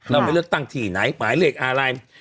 เราไปเลือกตั้งที่ไหนหมายเลขอะไร